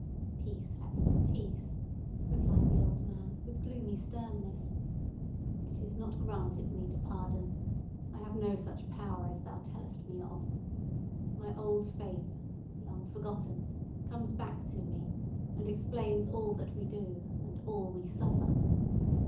"Peace, Hester—peace!" replied the old man, with gloomy sternness—"it is not granted me to pardon. I have no such power as thou tellest me of. My old faith, long forgotten, comes back to me, and explains all that we do, and all we suffer.